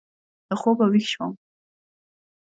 له خوبه وېښ شوم.